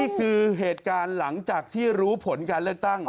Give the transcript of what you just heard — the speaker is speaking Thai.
เหตุการณ์หลังจากที่รู้ผลการเลือกตั้ง